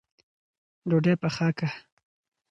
ډوډۍ پخه که